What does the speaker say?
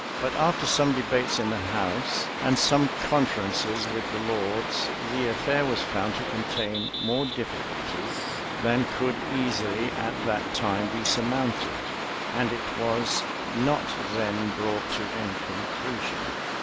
But after some debates in the house, and some conferences with the lords, the affair was found to contain more difficulties than could easily, at that time, be surmounted; and it was not then brought to any conclusion.